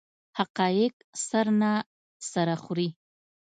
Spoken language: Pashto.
حقایق سر نه سره خوري.